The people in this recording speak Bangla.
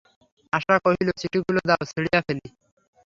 আশা কহিল, চিঠিগুলা দাও, ছিঁড়িয়া ফেলি।